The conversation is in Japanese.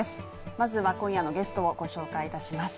まずは今夜のゲストをご紹介いたします。